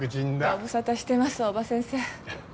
ご無沙汰してます大庭先生。